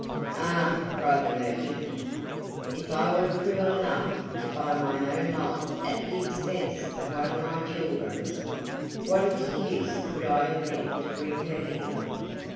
"Ah!" cried the merchant, "if I were cruel enough to buy my own life at the expense of one of my children's, what excuse could I invent to bring her here?"